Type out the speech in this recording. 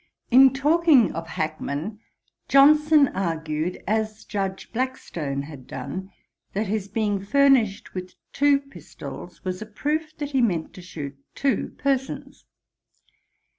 In talking of Hackman, Johnson argued, as Judge Blackstone had done, that his being furnished with two pistols was a proof that he meant to shoot two persons.